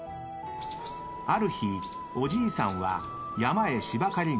［ある日おじいさんは山へしば刈りに］